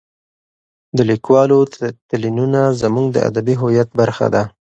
د لیکوالو تلینونه زموږ د ادبي هویت برخه ده.